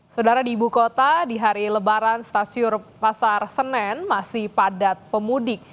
saudara di ibu kota di hari lebaran stasiun pasar senen masih padat pemudik